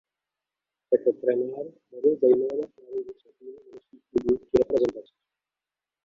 Jako trenér vedl zejména mládežnické týmy německých klubů či reprezentací.